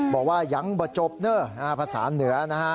บอกว่ายังบ่จบเนอร์ภาษาเหนือนะฮะ